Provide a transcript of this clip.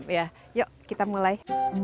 ya yuk kita mulai